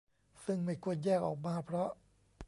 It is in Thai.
ซึ่งไม่ควรแยกออกมาเพราะ